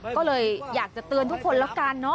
ก็เลยอยากจะเตือนทุกคน